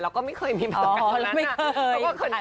แล้วก็ไม่เคยมีประสงค์กับฉัน